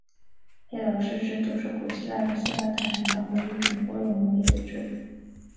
黑劳士制度是古希腊的斯巴达城邦的一种国有奴隶的制度。